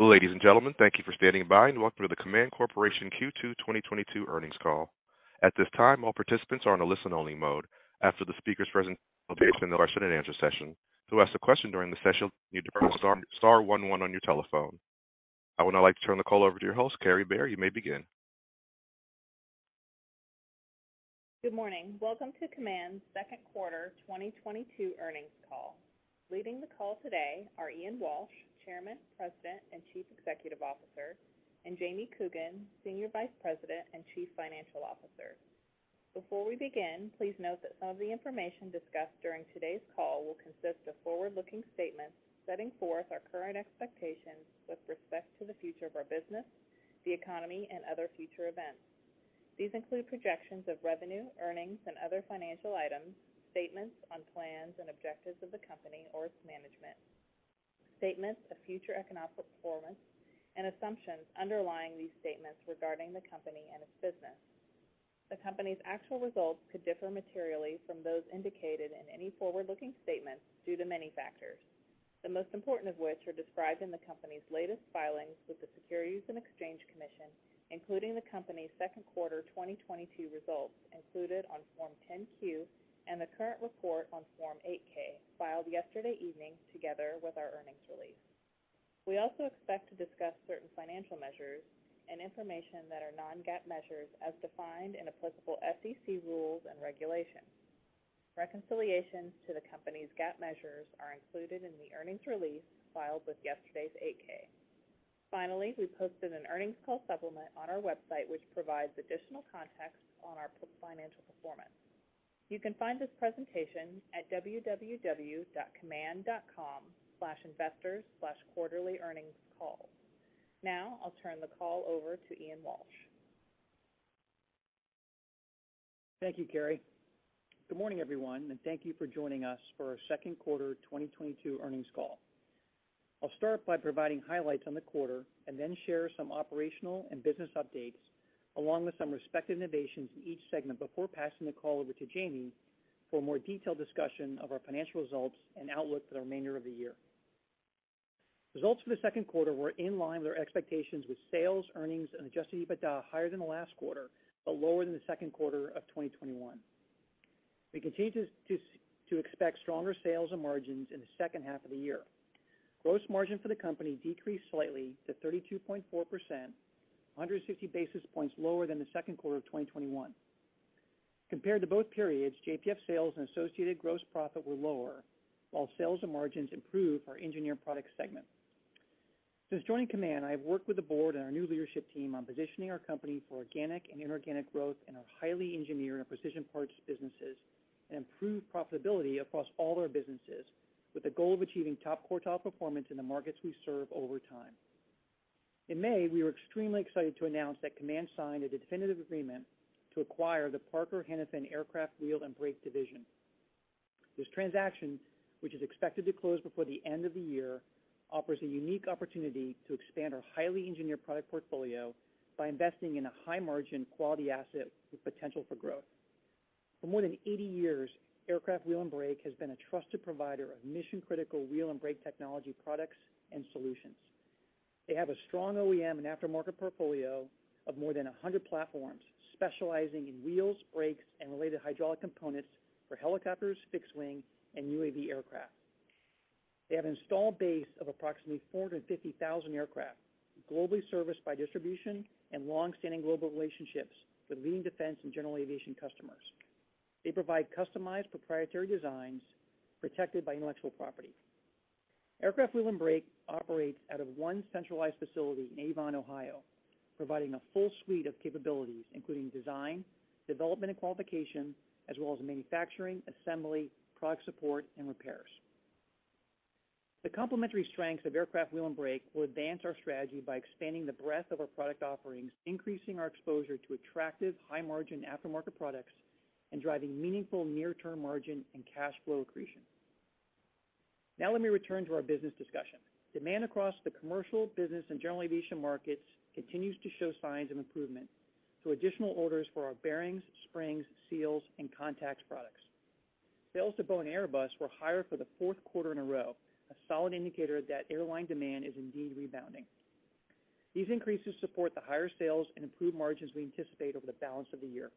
Ladies and gentlemen, thank you for standing by and welcome to the Kaman Corporation Q2 2022 earnings call. At this time, all participants are on a listen-only mode. After the speaker's presentation, there will be a question and answer session. To ask a question during the session, you need to press star-star one one on your telephone. I would now like to turn the call over to your host, Kary Bare. You may begin. Good morning. Welcome to Kaman's Q2 2022 earnings call. Leading the call today are Ian Walsh, Chairman, President, and Chief Executive Officer, and James Coogan, Senior Vice President and Chief Financial Officer. Before we begin, please note that some of the information discussed during today's call will consist of forward-looking statements setting forth our current expectations with respect to the future of our business, the economy, and other future events. These include projections of revenue, earnings and other financial items, statements on plans and objectives of the company or its management, statements of future economic performance, and assumptions underlying these statements regarding the company and its business. The company's actual results could differ materially from those indicated in any forward-looking statements due to many factors, the most important of which are described in the company's latest filings with the Securities and Exchange Commission, including the company's Q2 2022 results included on Form 10-Q and the current report on Form 8-K filed yesterday evening together with our earnings release. We also expect to discuss certain financial measures and information that are non-GAAP measures as defined in applicable SEC rules and regulations. Reconciliations to the company's GAAP measures are included in the earnings release filed with yesterday's 8-K. Finally, we posted an earnings call supplement on our website which provides additional context on our financial performance. You can find this presentation at www.kaman.com/investors/quarterlyearningscall. Now I'll turn the call over to Ian Walsh. Thank you, Kary. Good morning, everyone, and thank you for joining us for our Q2 2022 earnings call. I'll start by providing highlights on the quarter and then share some operational and business updates along with some respective innovations in each segment before passing the call over to Jamie for a more detailed discussion of our financial results and outlook for the remainder of the year. Results for the Q2 were in line with our expectations with sales, earnings, and adjusted EBITDA higher than the last quarter, but lower than the Q2 of 2021. We continue to expect stronger sales and margins in the second half of the year. Gross margin for the company decreased slightly to 32.4%, 160 basis points lower than the Q2 of 2021. Compared to both periods, JPF sales and associated gross profit were lower while sales and margins improved for our engineered products segment. Since joining Kaman, I have worked with the board and our new leadership team on positioning our company for organic and inorganic growth in our highly engineered and precision parts businesses and improved profitability across all our businesses with the goal of achieving top quartile performance in the markets we serve over time. In May, we were extremely excited to announce that Kaman signed a definitive agreement to acquire the Parker-Hannifin Aircraft Wheel & Brake Division. This transaction, which is expected to close before the end of the year, offers a unique opportunity to expand our highly engineered product portfolio by investing in a high margin quality asset with potential for growth. For more than 80 years, Aircraft Wheel & Brake has been a trusted provider of mission-critical wheel and brake technology products and solutions. They have a strong OEM and aftermarket portfolio of more than 100 platforms, specializing in wheels, brakes, and related hydraulic components for helicopters, fixed wing, and UAV aircraft. They have an installed base of approximately 450,000 aircraft, globally serviced by distribution and long-standing global relationships with leading defense and general aviation customers. They provide customized proprietary designs protected by intellectual property. Aircraft Wheel & Brake operates out of one centralized facility in Avon, Ohio, providing a full suite of capabilities, including design, development and qualification, as well as manufacturing, assembly, product support, and repairs. The complementary strengths of Aircraft Wheel & Brake will advance our strategy by expanding the breadth of our product offerings, increasing our exposure to attractive high margin aftermarket products, and driving meaningful near term margin and cash flow accretion. Now let me return to our business discussion. Demand across the commercial business and general aviation markets continues to show signs of improvement through additional orders for our bearings, springs, seals, and contacts products. Sales to Boeing and Airbus were higher for the Q4 in a row, a solid indicator that airline demand is indeed rebounding. These increases support the higher sales and improved margins we anticipate over the balance of the year.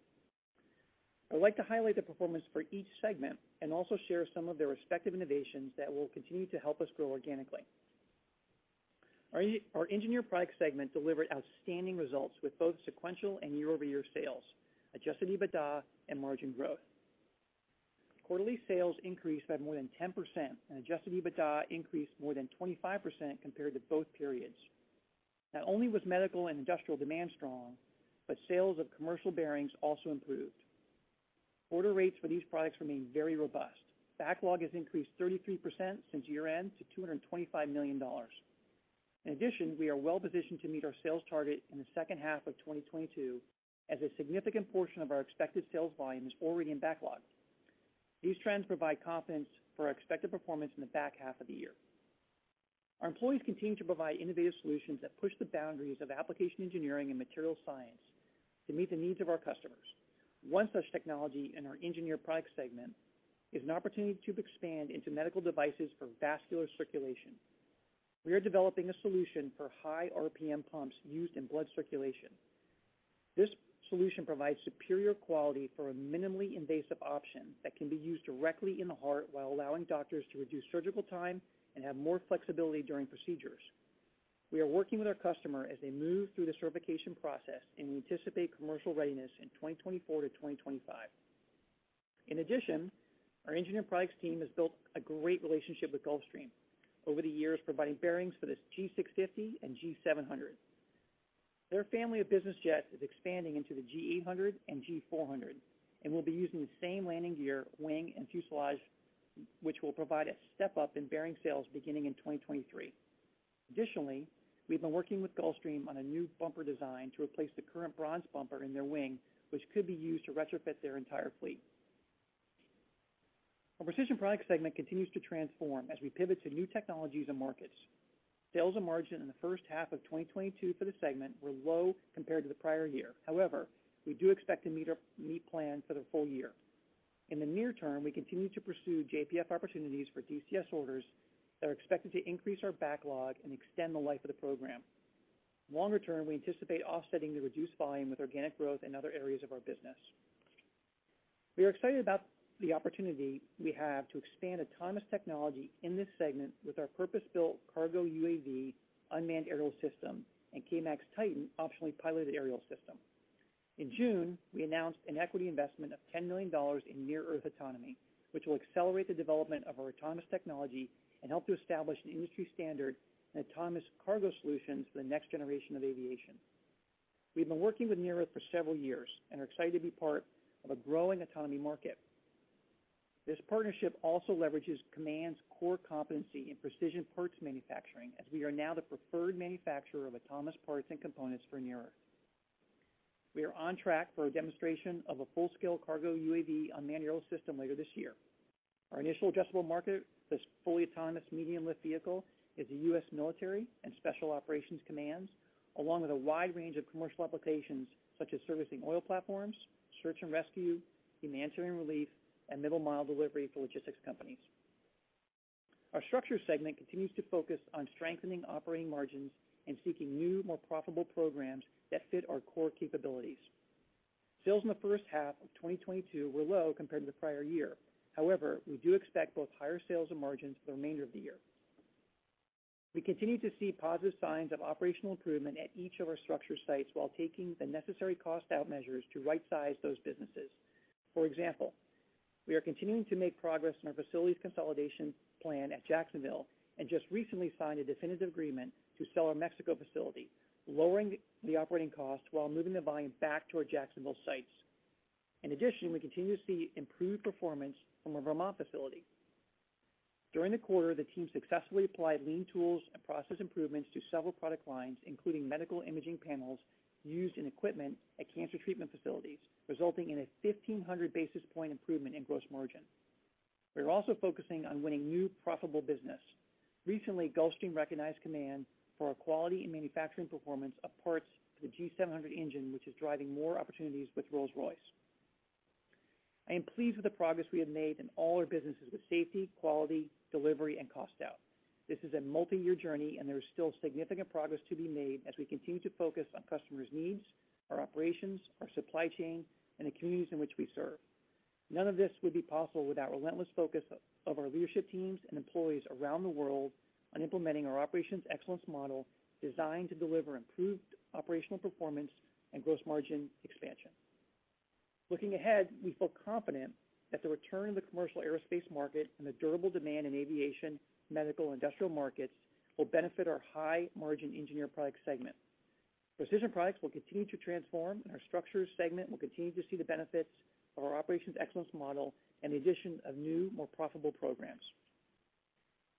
I'd like to highlight the performance for each segment and also share some of their respective innovations that will continue to help us grow organically. Our engineered products segment delivered outstanding results with both sequential and year-over-year sales, adjusted EBITDA, and margin growth. Quarterly sales increased by more than 10%, and adjusted EBITDA increased more than 25% compared to both periods. Not only was medical and industrial demand strong, but sales of commercial bearings also improved. Order rates for these products remain very robust. Backlog has increased 33% since year-end to $225 million. In addition, we are well positioned to meet our sales target in the second half of 2022 as a significant portion of our expected sales volume is already in backlog. These trends provide confidence for our expected performance in the back half of the year. Our employees continue to provide innovative solutions that push the boundaries of application engineering and material science. To meet the needs of our customers. One such technology in our engineered product segment is an opportunity to expand into medical devices for vascular circulation. We are developing a solution for high RPM pumps used in blood circulation. This solution provides superior quality for a minimally invasive option that can be used directly in the heart while allowing doctors to reduce surgical time and have more flexibility during procedures. We are working with our customer as they move through the certification process, and we anticipate commercial readiness in 2024-2025. In addition, our engineered products team has built a great relationship with Gulfstream over the years, providing bearings for the G650 and G700. Their family of business jets is expanding into the G800 and G400 and will be using the same landing gear, wing and fuselage, which will provide a step up in bearing sales beginning in 2023. Additionally, we've been working with Gulfstream on a new bumper design to replace the current bronze bumper in their wing, which could be used to retrofit their entire fleet. Our precision products segment continues to transform as we pivot to new technologies and markets. Sales and margin in the first half of 2022 for the segment were low compared to the prior year. However, we do expect to meet plan for the full year. In the near term, we continue to pursue JPF opportunities for DCS orders that are expected to increase our backlog and extend the life of the program. Longer term, we anticipate offsetting the reduced volume with organic growth in other areas of our business. We are excited about the opportunity we have to expand autonomous technology in this segment with our purpose built KARGO UAV unmanned aerial system and K-MAX TITAN optionally piloted aerial system. In June, we announced an equity investment of $10 million in Near Earth Autonomy, which will accelerate the development of our autonomous technology and help to establish an industry standard in autonomous cargo solutions for the next generation of aviation. We've been working with Near Earth for several years and are excited to be part of a growing autonomy market. This partnership also leverages Kaman's core competency in precision parts manufacturing as we are now the preferred manufacturer of autonomous parts and components for Near Earth. We are on track for a demonstration of a full-scale KARGO UAV unmanned aerial system later this year. Our initial addressable market, this fully autonomous medium lift vehicle, is the U.S. Military and Special Operations Command, along with a wide range of commercial applications such as servicing oil platforms, search and rescue, humanitarian relief and middle mile delivery for logistics companies. Our structures segment continues to focus on strengthening operating margins and seeking new, more profitable programs that fit our core capabilities. Sales in the first half of 2022 were low compared to the prior year. However, we do expect both higher sales and margins for the remainder of the year. We continue to see positive signs of operational improvement at each of our structure sites while taking the necessary cost out measures to right size those businesses. For example, we are continuing to make progress in our facilities consolidation plan at Jacksonville and just recently signed a definitive agreement to sell our Mexico facility, lowering the operating cost while moving the volume back to our Jacksonville sites. In addition, we continue to see improved performance from our Vermont facility. During the quarter, the team successfully applied lean tools and process improvements to several product lines, including medical imaging panels used in equipment at cancer treatment facilities, resulting in a 1,500 basis point improvement in gross margin. We are also focusing on winning new profitable business. Recently, Gulfstream recognized Kaman for our quality and manufacturing performance of parts for the G700 engine, which is driving more opportunities with Rolls-Royce. I am pleased with the progress we have made in all our businesses with safety, quality, delivery and cost out. This is a multi-year journey and there is still significant progress to be made as we continue to focus on customers' needs, our operations, our supply chain and the communities in which we serve. None of this would be possible without relentless focus of our leadership teams and employees around the world on implementing our operations excellence model designed to deliver improved operational performance and gross margin expansion. Looking ahead, we feel confident that the return of the commercial aerospace market and the durable demand in aviation, medical and industrial markets will benefit our high margin engineered products segment. Precision products will continue to transform and our structures segment will continue to see the benefits of our operations excellence model and the addition of new, more profitable programs.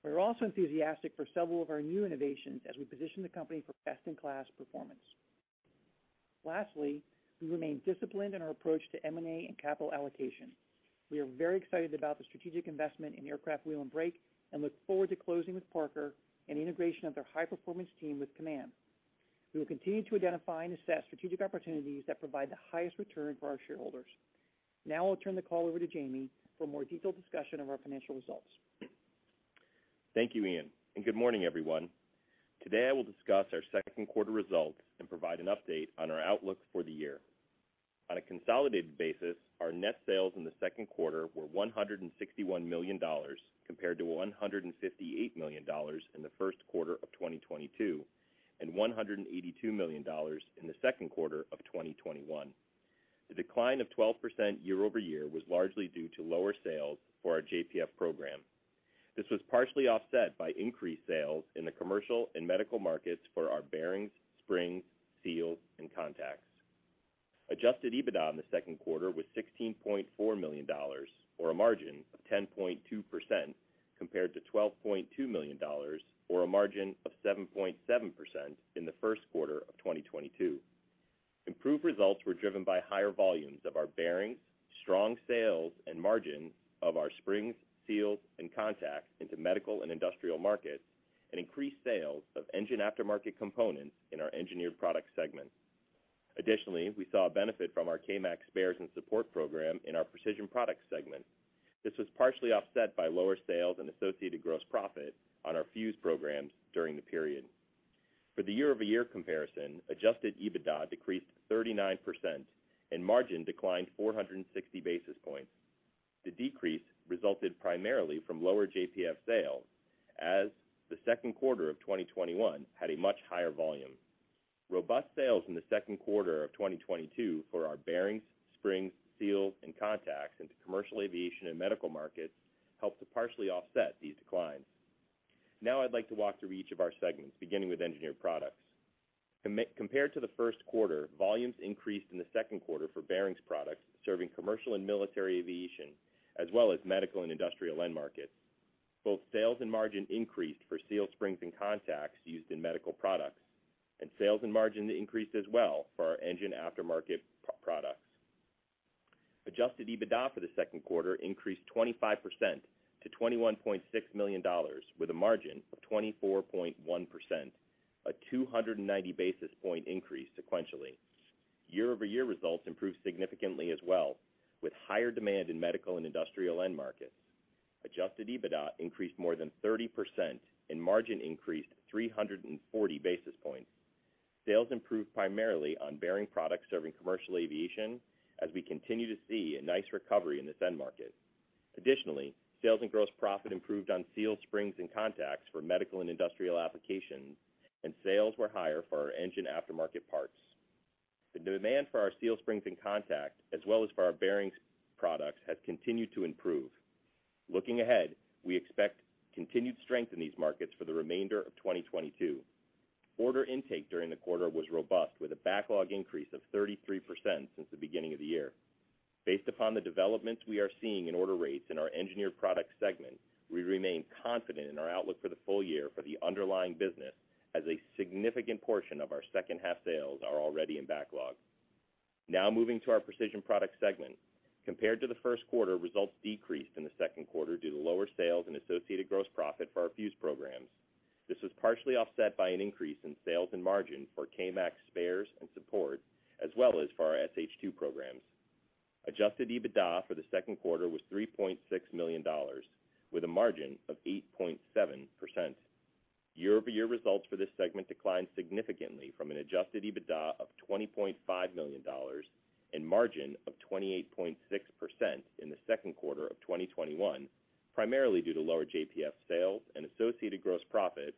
We are also enthusiastic for several of our new innovations as we position the company for best in class performance. Lastly, we remain disciplined in our approach to M&A and capital allocation. We are very excited about the strategic investment in Aircraft Wheel & Brake and look forward to closing with Parker-Hannifin and integration of their high performance team with Kaman. We will continue to identify and assess strategic opportunities that provide the highest return for our shareholders. Now I'll turn the call over to Jamie for a more detailed discussion of our financial results. Thank you, Ian, and good morning, everyone. Today I will discuss our Q2 results and provide an update on our outlook for the year. On a consolidated basis, our net sales in the Q2 were $161 million compared to $158 million in the Q1 of 2022, and $182 million in the Q2 of 2021. The decline of 12% year-over-year was largely due to lower sales for our JPF program. This was partially offset by increased sales in the commercial and medical markets for our bearings, springs, seals and contacts. Adjusted EBITDA in the Q2 was $16.4 million, or a margin of 10.2%, compared to $12.2 million, or a margin of 7.7% in the Q1 of 2022. Improved results were driven by higher volumes of our bearings, strong sales and margin of our springs, seals and contacts into medical and industrial markets. Increased sales of engine aftermarket components in our engineered products segment. Additionally, we saw a benefit from our K-MAX spares and support program in our precision products segment. This was partially offset by lower sales and associated gross profit on our fuze programs during the period. For the year-over-year comparison, adjusted EBITDA decreased 39%, and margin declined 460 basis points. The decrease resulted primarily from lower JPF sales, as the Q2 of 2021 had a much higher volume. Robust sales in the Q2 of 2022 for our bearings, springs, seals, and contacts into commercial aviation and medical markets helped to partially offset these declines. Now I'd like to walk through each of our segments, beginning with engineered products. Compared to the Q1, volumes increased in the Q2 for bearings products serving commercial and military aviation, as well as medical and industrial end markets. Both sales and margin increased for seals, springs and contacts used in medical products, and sales and margin increased as well for our engine aftermarket products. Adjusted EBITDA for the Q2 increased 25% to $21.6 million with a margin of 24.1%, a 290 basis point increase sequentially. Year-over-year results improved significantly as well, with higher demand in medical and industrial end markets. Adjusted EBITDA increased more than 30%, and margin increased 340 basis points. Sales improved primarily on bearing products serving commercial aviation as we continue to see a nice recovery in this end market. Additionally, sales and gross profit improved on seals, springs, and contacts for medical and industrial applications, and sales were higher for our engine aftermarket parts. The demand for our seals, springs, and contacts, as well as for our bearings products, has continued to improve. Looking ahead, we expect continued strength in these markets for the remainder of 2022. Order intake during the quarter was robust, with a backlog increase of 33% since the beginning of the year. Based upon the developments we are seeing in order rates in our engineered products segment, we remain confident in our outlook for the full year for the underlying business as a significant portion of our second half sales are already in backlog. Now moving to our precision products segment. Compared to the Q1, results decreased in the Q2 due to lower sales and associated gross profit for our fuse programs. This was partially offset by an increase in sales and margin for K-MAX spares and support, as well as for our SH-2 programs. Adjusted EBITDA for the Q2 was $3.6 million, with a margin of 8.7%. Year-over-year results for this segment declined significantly from an adjusted EBITDA of $20.5 million and margin of 28.6% in the Q2 of 2021, primarily due to lower JPF sales and associated gross profit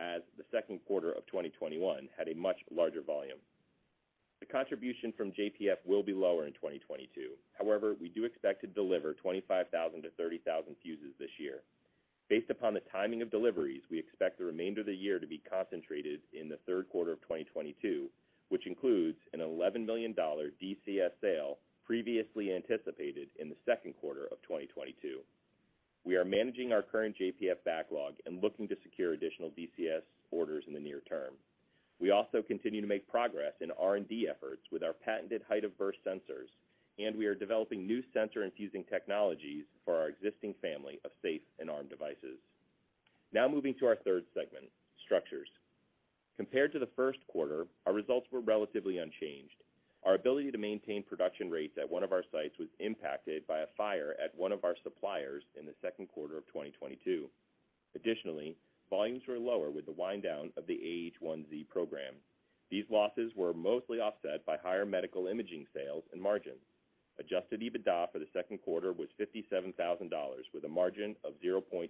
as the Q2 of 2021 had a much larger volume. The contribution from JPF will be lower in 2022. However, we do expect to deliver 25,000-30,000 fuses this year. Based upon the timing of deliveries, we expect the remainder of the year to be concentrated in the Q3 of 2022, which includes an $11 million DCS sale previously anticipated in the Q2 of 2022. We are managing our current JPF backlog and looking to secure additional DCS orders in the near term. We also continue to make progress in R&D efforts with our patented height-of-burst sensors, and we are developing new sensor and fusing technologies for our existing family of safe and arm devices. Now moving to our third segment, structures. Compared to the Q1, our results were relatively unchanged. Our ability to maintain production rates at one of our sites was impacted by a fire at one of our suppliers in the Q2 of 2022. Additionally, volumes were lower with the wind down of the AH-1Z program. These losses were mostly offset by higher medical imaging sales and margin. Adjusted EBITDA for the Q2 was $57,000, with a margin of 0.2%.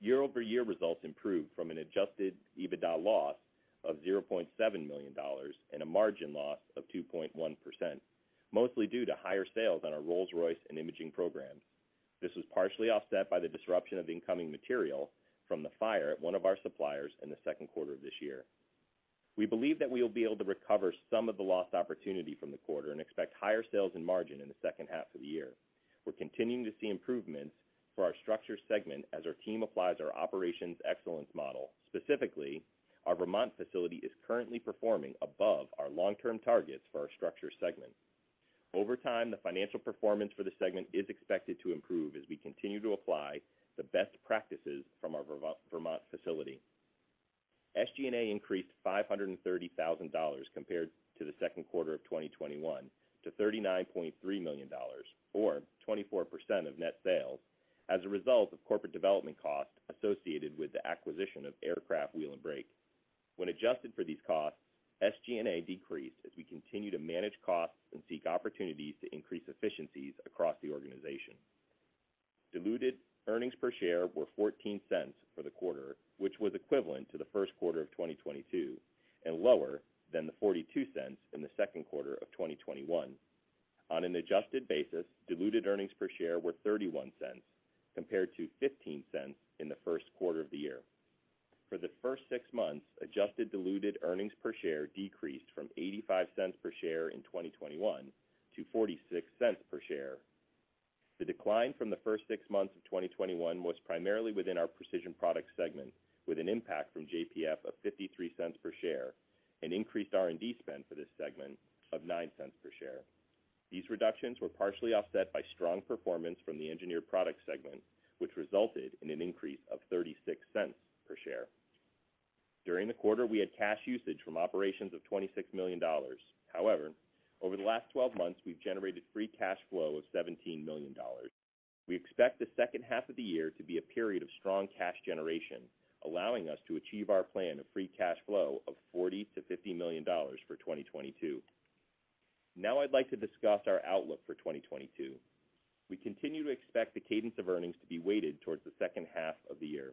Year-over-year results improved from an adjusted EBITDA loss of $0.7 million and a margin loss of 2.1%, mostly due to higher sales on our Rolls-Royce and imaging programs. This was partially offset by the disruption of incoming material from the fire at one of our suppliers in the Q2 of this year. We believe that we will be able to recover some of the lost opportunity from the quarter and expect higher sales and margin in the second half of the year. We're continuing to see improvements for our structure segment as our team applies our operations excellence model. Specifically, our Vermont facility is currently performing above our long-term targets for our structure segment. Over time, the financial performance for the segment is expected to improve as we continue to apply the best practices from our Vermont facility. SG&A increased $530,000 compared to the Q2 of 2021 to $39.3 million or 24% of net sales as a result of corporate development costs associated with the acquisition of Aircraft Wheel & Brake. When adjusted for these costs, SG&A decreased as we continue to manage costs and seek opportunities to increase efficiencies across the organization. Diluted earnings per share were $0.14 for the quarter, which was equivalent to the Q1 of 2022 and lower than the $0.42 in the Q2 of 2021. On an adjusted basis, diluted earnings per share were $0.31 compared to $0.15 in the Q1 of the year. For the first six months, adjusted diluted earnings per share decreased from $0.85 per share in 2021 to $0.46 per share. The decline from the first six months of 2021 was primarily within our precision products segment, with an impact from JPF of $0.53 per share and increased R&D spend for this segment of $0.09 per share. These reductions were partially offset by strong performance from the engineered products segment, which resulted in an increase of $0.36 per share. During the quarter, we had cash usage from operations of $26 million. However, over the last 12 months, we've generated free cash flow of $17 million. We expect the second half of the year to be a period of strong cash generation, allowing us to achieve our plan of free cash flow of $40 million-$50 million for 2022. Now I'd like to discuss our outlook for 2022. We continue to expect the cadence of earnings to be weighted towards the second half of the year.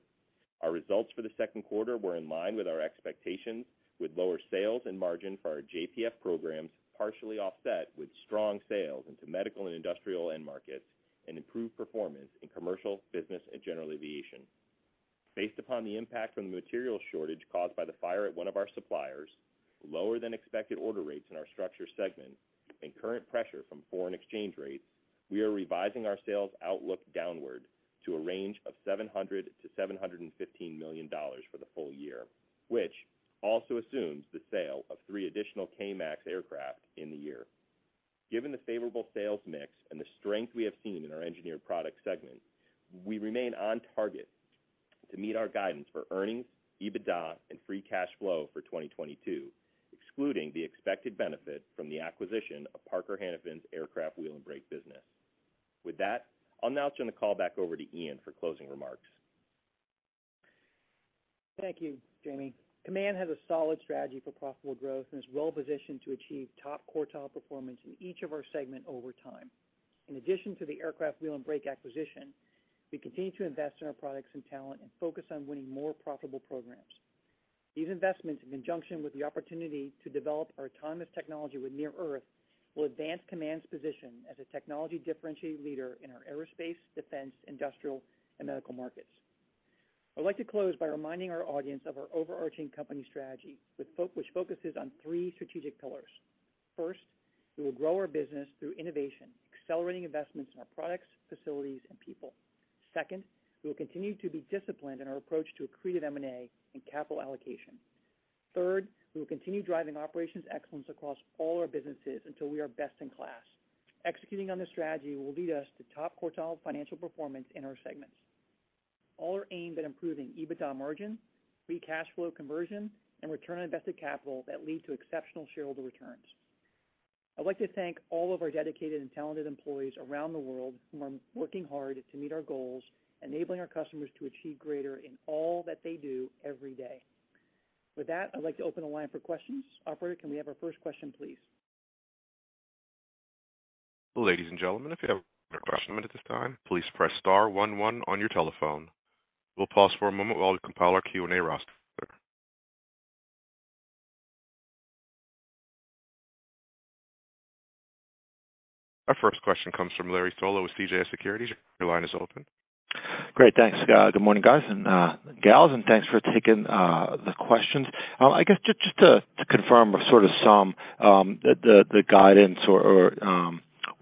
Our results for the Q2 were in line with our expectations, with lower sales and margin for our JPF programs, partially offset with strong sales into medical and industrial end markets and improved performance in commercial, business, and general aviation. Based upon the impact from the material shortage caused by the fire at one of our suppliers, lower than expected order rates in our structure segment, and current pressure from foreign exchange rates, we are revising our sales outlook downward to a range of $700 million-$715 million for the full year, which also assumes the sale of 3 additional K-MAX aircraft in the year. Given the favorable sales mix and the strength we have seen in our engineered products segment, we remain on target to meet our guidance for earnings, EBITDA, and free cash flow for 2022, excluding the expected benefit from the acquisition of Parker-Hannifin's Aircraft Wheel & Brake business. With that, I'll now turn the call back over to Ian for closing remarks. Thank you, Jamie. Kaman has a solid strategy for profitable growth and is well positioned to achieve top quartile performance in each of our segment over time. In addition to the Aircraft Wheel & Brake acquisition, we continue to invest in our products and talent and focus on winning more profitable programs. These investments, in conjunction with the opportunity to develop our autonomous technology with Near Earth Autonomy, will advance Kaman's position as a technology differentiated leader in our aerospace, defense, industrial, and medical markets. I'd like to close by reminding our audience of our overarching company strategy which focuses on three strategic pillars. First, we will grow our business through innovation, accelerating investments in our products, facilities, and people. Second, we will continue to be disciplined in our approach to accretive M&A and capital allocation. Third, we will continue driving operations excellence across all our businesses until we are best in class. Executing on this strategy will lead us to top quartile financial performance in our segments. All are aimed at improving EBITDA margin, free cash flow conversion, and return on invested capital that lead to exceptional shareholder returns. I'd like to thank all of our dedicated and talented employees around the world who are working hard to meet our goals, enabling our customers to achieve greater in all that they do every day. With that, I'd like to open the line for questions. Operator, can we have our first question, please? Ladies and gentlemen, if you have a question at this time, please press star one one on your telephone. We'll pause for a moment while we compile our Q&A roster. Our first question comes from Larry Solow with CJS Securities. Your line is open. Great. Thanks. Good morning, guys and gals, and thanks for taking the questions. I guess just to confirm or sort of sum the guidance or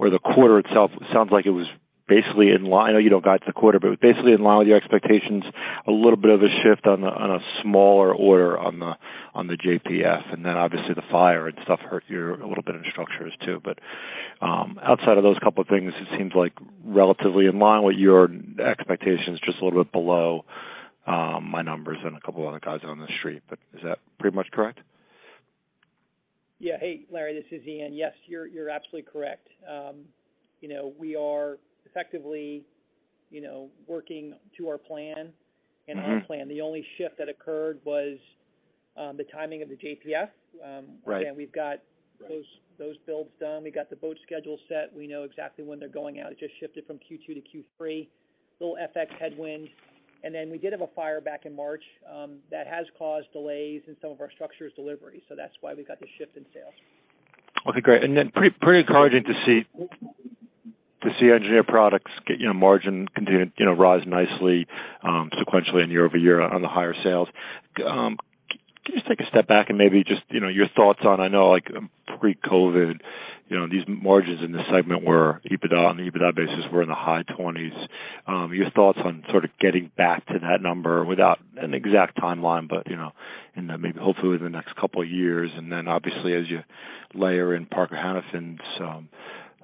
the quarter itself, it sounds like it was basically in line. I know you don't guide to the quarter, but basically in line with your expectations, a little bit of a shift on a smaller order on the JPF, and then obviously the fire and stuff hurt you a little bit in structures, too. Outside of those couple of things, it seems like relatively in line with your expectations, just a little bit below my numbers and a couple of other guys on The Street. Is that pretty much correct? Yeah. Hey, Larry, this is Ian. Yes, you're absolutely correct. We are effectively working to our plan and on plan. The only shift that occurred was the timing of the JPF. Right. Again, we've got those builds done. We got the boat schedule set. We know exactly when they're going out. It just shifted from Q2 to Q3, little FX headwind. We did have a fire back in March that has caused delays in some of our structures delivery. That's why we've got the shift in sales. Okay, great. Then pretty encouraging to see engineered products margins continue to rise nicely sequentially and year over year on the higher sales. Can you just take a step back and maybe just your thoughts on, I know, like, pre-COVID these margins in this segment were, on the EBITDA basis, in the high 20s%. Your thoughts on sort of getting back to that number without an exact timeline, maybe hopefully the next couple of years. Then obviously as you layer in Parker-Hannifin Aircraft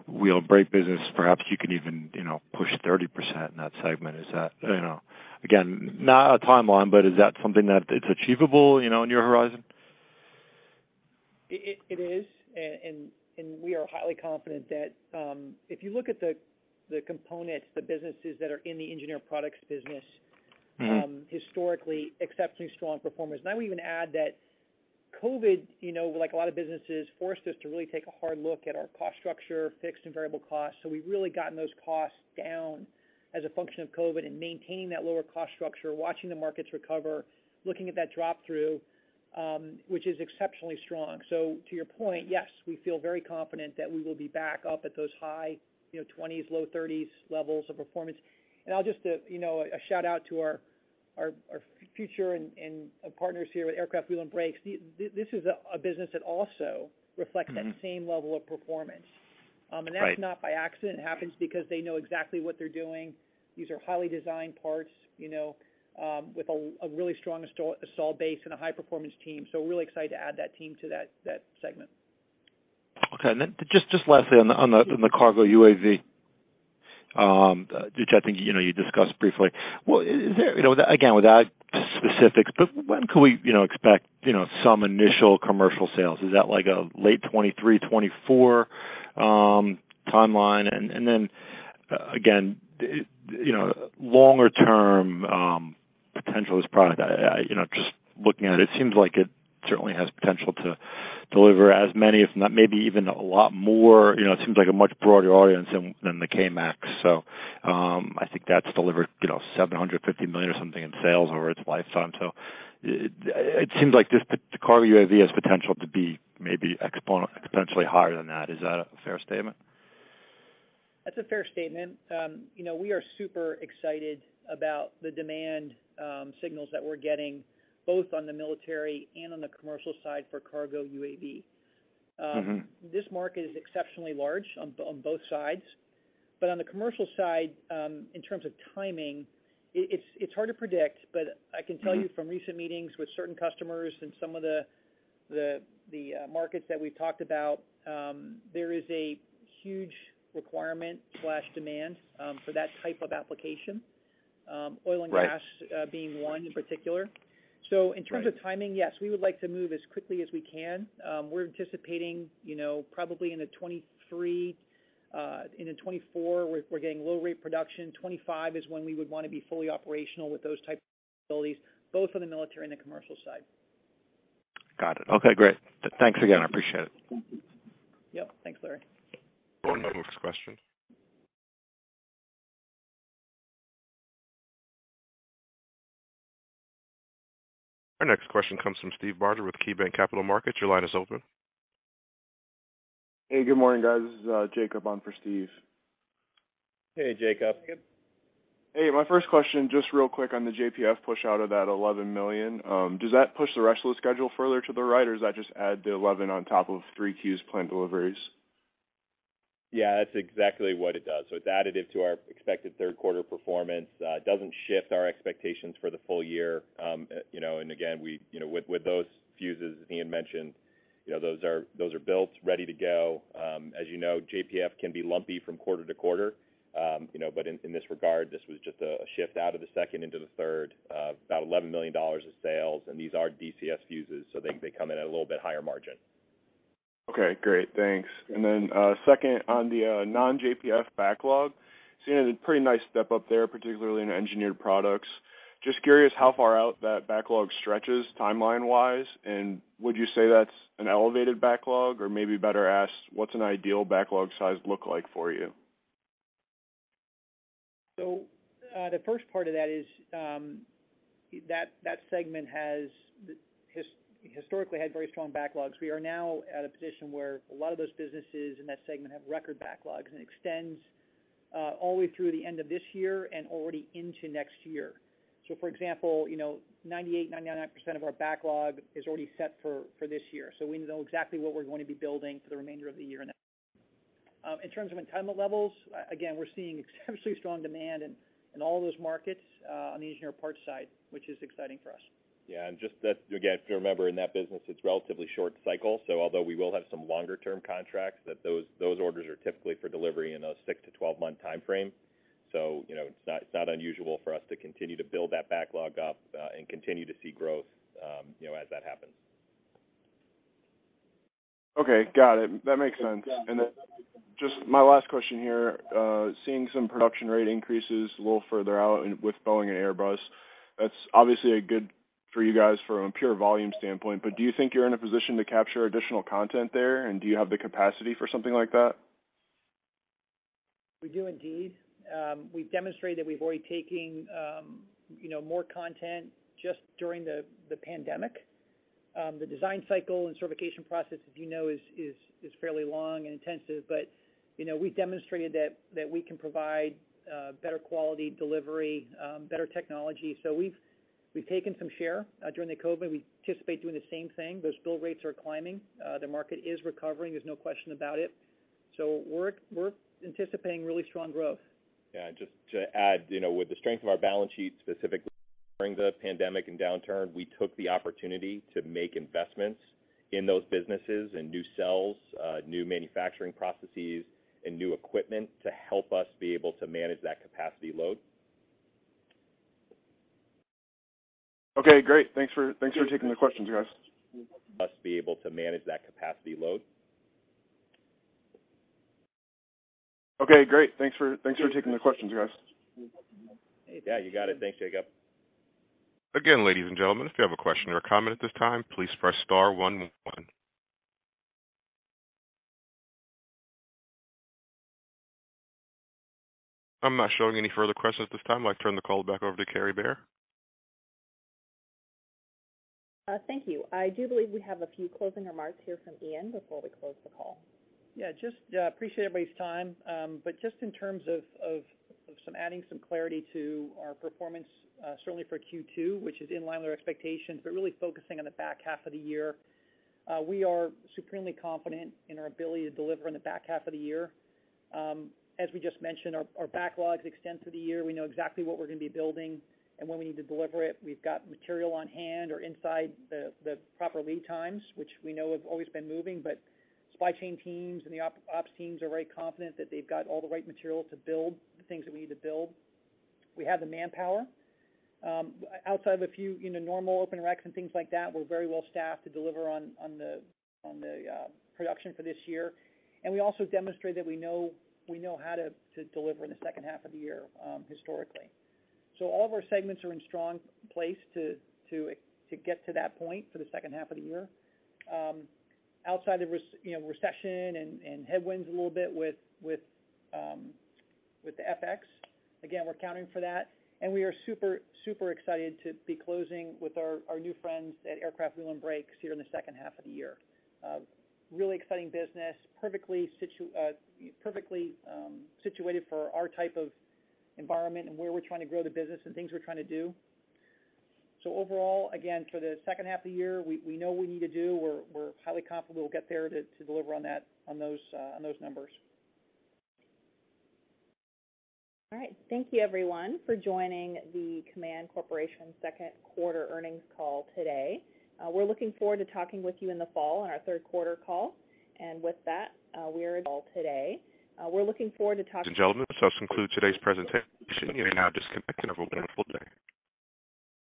Wheel & Brake business, perhaps you could even push 30% in that segment. Is that again, not a timeline, but is that something that it's achievable in your horizon? It is. We are highly confident that if you look at the components, the businesses that are in the engineered products business. Mm-hmm. Historically exceptionally strong performance. I would even add that covid like a lot of businesses, forced us to really take a hard look at our cost structure, fixed and variable costs. We've really gotten those costs down as a function of COVID and maintaining that lower cost structure, watching the markets recover, looking at that drop through, which is exceptionally strong. To your point, yes, we feel very confident that we will be back up at those high 20s, low 30s levels of performance. I'll just a shout out to our future and partners here with Aircraft Wheel & Brake. This is a business that also reflects that same level of performance. That's not by accident. It happens because they know exactly what they're doing. These are highly designed parts with a really strong installed base and a high performance team. We're really excited to add that team to that segment. Okay. Then just lastly on the KARGO UAV, which I think you discussed briefly. Well, is there? Again, without specifics, but when could we expect some initial commercial sales? Is that like a late 2023, 2024 timeline? Then, again longer term potential of this product. I just looking at it seems like it certainly has potential to deliver as many, if not maybe even a lot more. It seems like a much broader audience than the K-MAX. I think that's delivered $750 million or something in sales over its lifetime. It seems like this KARGO UAV has potential to be maybe exponentially higher than that. Is that a fair statement? That's a fair statement. We are super excited about the demand signals that we're getting both on the military and on the commercial side for KARGO UAV. Mm-hmm. This market is exceptionally large on both sides. On the commercial side, in terms of timing, it's hard to predict, but I can tell you from recent meetings with certain customers in some of the markets that we've talked about, there is a huge requirement, demand for that type of application. Oil and gas. Right. Being one in particular. Right. In terms of timing, yes, we would like to move as quickly as we can. We're anticipating probably end of 2023, end of 2024, we're getting low rate production. 2025 is when we would want to be fully operational with those type of abilities, both on the military and the commercial side. Got it. Okay, great. Thanks again. I appreciate it. Yep. Thanks, Larry. We'll go on to the next question. Our next question comes from Steve Barger with KeyBanc Capital Markets. Your line is open. Hey, good morning, guys. This is Jacob on for Steve. Hey, Jacob. Good. Hey, my first question, just real quick on the JPF push out of that $11 million, does that push the rest of the schedule further to the right, or does that just add the $11 million on top of 3Q's planned deliveries? Yeah, that's exactly what it does. It's additive to our expected Q3 performance. It doesn't shift our expectations for the full year. Again, with those fuses, as Ian mentioned those are built, ready to go. As JPF can be lumpy from quarter to quarter. In this regard, this was just a shift out of the second into the third, about $11 million of sales, and these are DCS fuses, so they come in at a little bit higher margin. Okay, great. Thanks. Then, second on the non-JPF backlog, seeing a pretty nice step up there, particularly in engineered products. Just curious how far out that backlog stretches timeline-wise, and would you say that's an elevated backlog? Or maybe better asked, what's an ideal backlog size look like for you? The first part of that is, that segment has historically had very strong backlogs. We are now at a position where a lot of those businesses in that segment have record backlogs, and it extends all the way through the end of this year and already into next year. For example 98-99% of our backlog is already set for this year. We know exactly what we're going to be building for the remainder of the year. In terms of entitlement levels, again, we're seeing exceptionally strong demand in all those markets on the engineered parts side, which is exciting for us. Yeah. Just that, again, if you remember in that business, it's relatively short cycle. Although we will have some longer term contracts, those orders are typically for delivery in those 6-12-month timeframe. It's not unusual for us to continue to build that backlog up and continue to see growth as that happens. Okay. Got it. That makes sense. Just my last question here, seeing some production rate increases a little further out with Boeing and Airbus, that's obviously a good for you guys from a pure volume standpoint. But do you think you're in a position to capture additional content there? And do you have the capacity for something like that? We do indeed. We've demonstrated that we've already taken more content just during the pandemic. The design cycle and certification process, asis fairly long and intensive, but we've demonstrated that we can provide better quality delivery, better technology. We've taken some share during the COVID. We anticipate doing the same thing. Those build rates are climbing. The market is recovering. There's no question about it. We're anticipating really strong growth. Yeah, just to add with the strength of our balance sheet, specifically during the pandemic and downturn, we took the opportunity to make investments in those businesses and new sales, new manufacturing processes and new equipment to help us be able to manage that capacity load. Okay, great. Thanks for taking the questions, guys. Must be able to manage that capacity load. Okay, great. Thanks for taking the questions, guys. Yeah, you got it. Thanks, Jacob. Again, ladies and gentlemen, if you have a question or a comment at this time, please press star one. I'm not showing any further questions at this time. I'd like to turn the call back over to Kary Bare. Thank you. I do believe we have a few closing remarks here from Ian before we close the call. Yeah, just appreciate everybody's time. Just in terms of adding some clarity to our performance, certainly for Q2, which is in line with our expectations, really focusing on the back half of the year. We are supremely confident in our ability to deliver in the back half of the year. As we just mentioned, our backlogs extend through the year. We know exactly what we're going to be building and when we need to deliver it. We've got material on hand or inside the proper lead times, which we know have always been moving. Supply chain teams and the ops teams are very confident that they've got all the right material to build the things that we need to build. We have the manpower. Outside of a few normal open racks and things like that, we're very well staffed to deliver on the production for this year. We also demonstrate that we know how to deliver in the second half of the year, historically. All of our segments are in strong place to get to that point for the second half of the year. Outside of recession and headwinds a little bit with the FX, again, we're accounting for that, and we are super excited to be closing with our new friends at Aircraft Wheel & Brake here in the second half of the year. Really exciting business, perfectly situated for our type of environment and where we're trying to grow the business and things we're trying to do. Overall, again, for the second half of the year, we know what we need to do. We're highly confident we'll get there to deliver on those numbers. All right. Thank you everyone for joining the Kaman Corporation Q2 earnings call today. We're looking forward to talking with you in the fall on our Q3 call. With that, we are. Ladies and gentlemen, this does conclude today's presentation. You may now disconnect and have a wonderful day.